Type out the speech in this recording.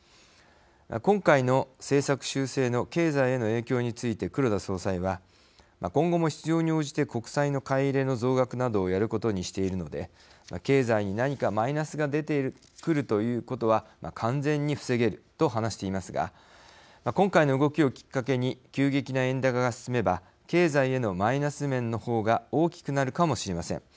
今回の政策修正の経済への影響について黒田総裁は「今後も必要に応じて国債の買い入れの増額などをやることにしているので経済に何かマイナスが出てくるということは完全に防げる」と話していますが今回の動きをきっかけに急激な円高が進めば経済へのマイナス面の方が大きくなるかもしれません。